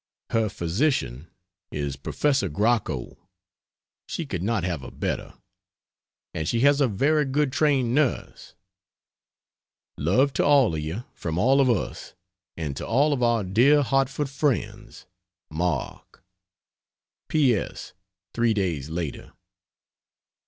Her physician is Professor Grocco she could not have a better. And she has a very good trained nurse. Love to all of you from all of us. And to all of our dear Hartford friends. MARK P. S. 3 days later.